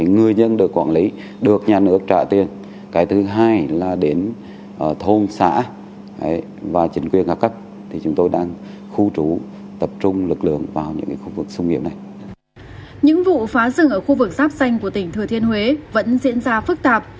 những vụ phá rừng ở khu vực giáp xanh của tỉnh thừa thiên huế vẫn diễn ra phức tạp